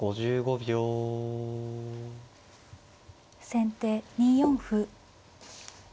先手２四歩。